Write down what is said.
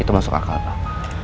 itu masuk akal pak